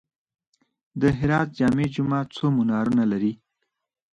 د هرات جامع جومات څو منارونه لري؟